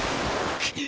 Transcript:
くっ！